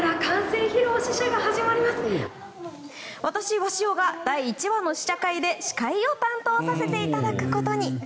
私、鷲尾が第１話の試写会で司会を担当させていただくことに。